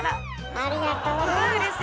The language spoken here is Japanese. ありがとうございます。